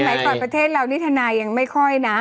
สมัยก่อนประเทศเรานิทนายยังไม่ค่อยนะ